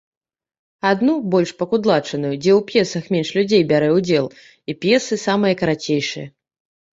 Адну, больш пакудлачаную, дзе у п'есах менш людзей бярэ ўдзел, і п'есы самыя карацейшыя.